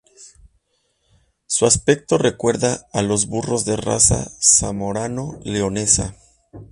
Su aspecto recuerda a los burros de raza zamorano-leonesa.